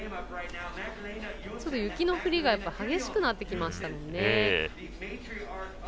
ちょっと雪の降りが激しくなってきましたもんね。